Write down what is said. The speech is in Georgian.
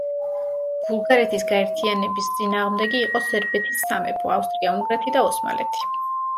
ბულგარეთის გაერთიანების წინააღმდეგი იყო სერბეთის სამეფო, ავსტრია-უნგრეთი და ოსმალეთი.